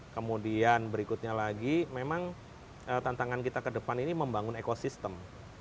kemudian berikutnya lagi memang tantangan kita ke depan ini membangun ekosistem